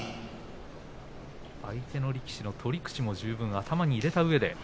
相手の力士の取り口を十分に頭に入れたうえで。